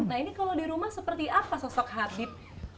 nah ini kalau di rumah seperti apa sosok habib